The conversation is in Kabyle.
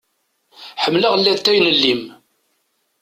Ḥemmeleɣ llatay n llim.